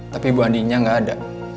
tapi bu andinnya nggak ada